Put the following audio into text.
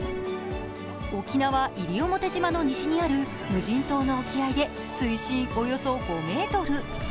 沖縄・西表島の西にある無人島の沖合で水深およそ５ｍ。